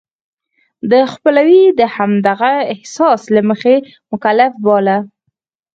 د خپلوی د همدغه احساس له مخې مکلف باله.